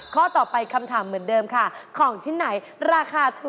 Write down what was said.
ข้อต่อไปคำถามเหมือนเดิมค่ะของชิ้นไหนราคาถูก